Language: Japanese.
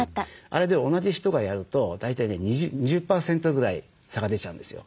あれで同じ人がやると大体２０％ぐらい差が出ちゃうんですよ。